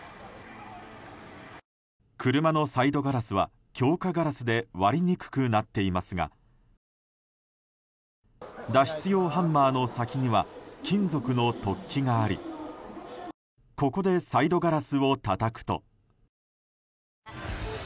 車のサイドガラスは強化ガラスで割りにくくなっていますが脱出用ハンマーの先には金属の突起がありここでサイドガラスをたたくと。